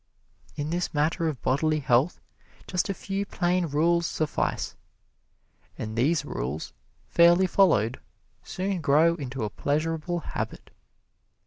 In this matter of bodily health just a few plain rules suffice. And these rules, fairly followed, soon grow into a pleasurable habit.